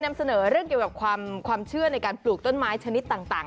นำเสนอเรื่องเกี่ยวกับความเชื่อในการปลูกต้นไม้ชนิดต่าง